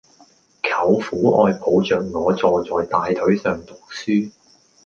舅父愛抱着我坐在大腿上讀書